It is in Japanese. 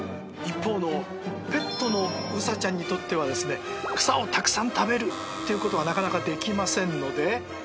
一方のペットのウサちゃんにとってはですね草をたくさん食べるってことはなかなかできませんので。